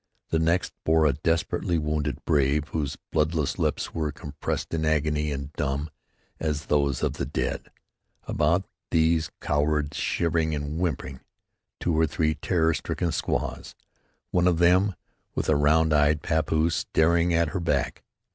The next bore a desperately wounded brave whose bloodless lips were compressed in agony and dumb as those of the dead. About these cowered, shivering and whimpering, two or three terror stricken squaws, one of them with a round eyed pappoose staring at her back.